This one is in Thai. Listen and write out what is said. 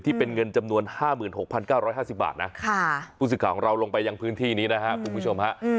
ที่เป็นเงินจำนวน๕๖๙๕๐บาทนะผู้สึกข่าวของเราลงไปอย่างพื้นที่นี้นะคะ